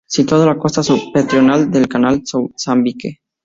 Situada en la costa septentrional del canal de Mozambique.